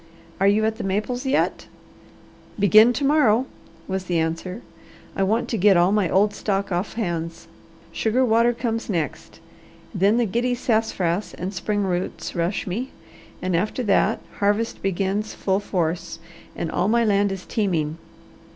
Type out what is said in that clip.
Are you at the maples yet?" "Begin to morrow," was the answer. "I want to get all my old stock off hands. Sugar water comes next, and then the giddy sassafras and spring roots rush me, and after that, harvest begins full force, and all my land is teeming.